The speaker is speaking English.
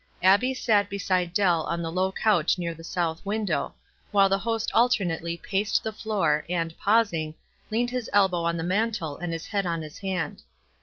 Abbie sat beside Dell on the low couch near the south window ; while the host alternately, paced the floor, and pausing, leaned his elbow on the mantel and his head on his hand.